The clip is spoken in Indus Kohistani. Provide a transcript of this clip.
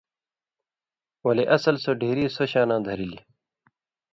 ولے اصل سو ڈھیری سو شاناں دھرِلیۡ۔